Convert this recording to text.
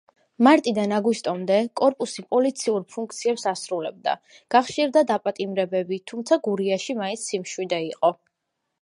მარტიდან აგვისტომდე კორპუსი პოლიციურ ფუნქციებს ასრულებდა, გახშირდა დაპატიმრებები, თუმცა გურიაში მაინც სიმშვიდე იყო.